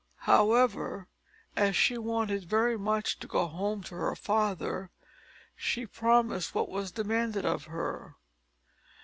However, as she wanted very much to go home to her father, she promised what was demanded of her.